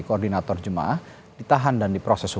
koordinator jum ah ditahan dan diprosesori